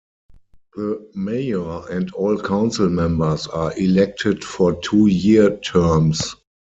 The mayor and all council members are elected for two-year terms.